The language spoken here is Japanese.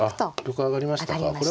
玉上がりましたか。